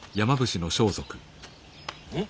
うん？